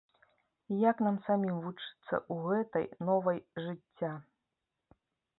Як нам самім вучыцца ў гэтай новай жыцця?